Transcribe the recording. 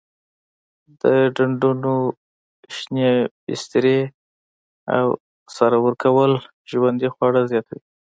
د ډنډونو شینې بسترې او سره ورکول ژوندي خواړه زیاتوي.